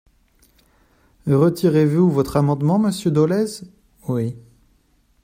Retirez-vous votre amendement, monsieur Dolez ? Oui.